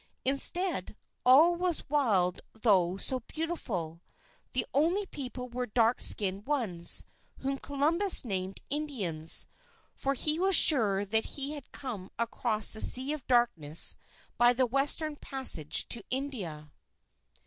Instead, all was wild though so beautiful. The only people were the dark skinned ones, whom Columbus named Indians; for he was sure that he had come across the Sea of Darkness by the Western Passage to India.